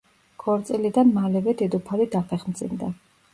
ქორწილიდან მალევე დედოფალი დაფეხმძიმდა.